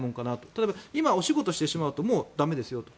例えば今、お仕事してしまうともう駄目ですよと。